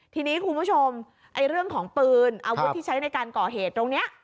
ทีนี้คุณผู้ชมเรื่องของปืนอาวุธที่ใช้ในการก่อเหตุตรงนี้